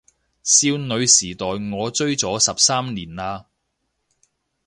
少女時代我追咗十三年喇